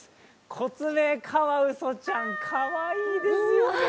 コツメカワウソちゃん、かわいいですよね。